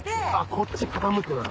こっち傾くな。